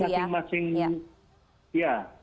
jadi makin masuk ke dalam kebijakan ini